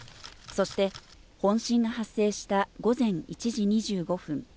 そして本震が発生した午前１時２５分。